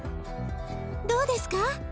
どうですか？